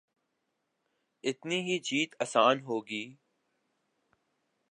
اتنی ہی جیت آسان ہو گی۔